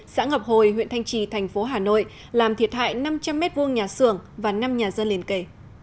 xã ngọc hồi huyện thanh trì thành phố hà nội làm thiệt hại năm trăm linh m hai nhà xưởng và năm nhà dân liền kể